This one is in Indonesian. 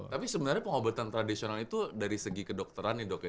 tapi sebenarnya pengobatan tradisional itu dari segi kedokteran ya dok ya